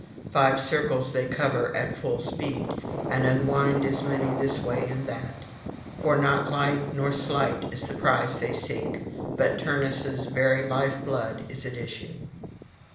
Five circles they cover at full speed, and unwind as many this way and that; for not light nor slight is the prize they seek, but Turnus' very lifeblood is at issue.